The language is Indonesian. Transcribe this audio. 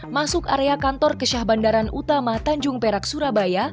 masuk area kantor kesyah bandaran utama tanjung perak surabaya